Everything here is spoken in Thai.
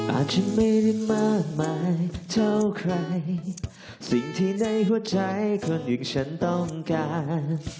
อาจจะไม่ได้มากมายเท่าใครสิ่งที่ในหัวใจคนอีกฉันต้องการ